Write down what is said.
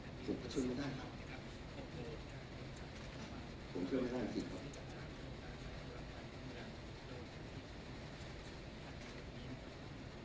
ผมควรช่วยไม่ได้ครับ